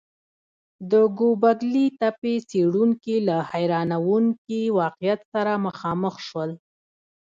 د ګوبک لي تپې څېړونکي له حیرانوونکي واقعیت سره مخامخ شول.